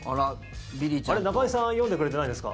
あれ、中居さん読んでくれてないんですか？